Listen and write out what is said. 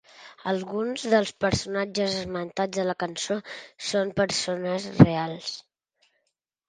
Alguns dels personatges esmentats a la cançó són persones reals.